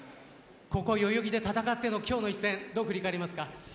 ここ、代々木で戦っての今日の一戦どう振り返りますか？